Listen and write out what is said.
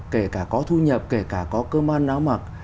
kể cả có thu nhập kể cả có cơm man náo mặc